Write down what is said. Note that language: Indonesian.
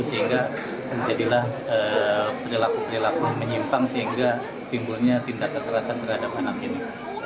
sehingga penjadilah perilaku perilaku menyimpang sehingga timbulnya tindakan terasa terhadap anak ini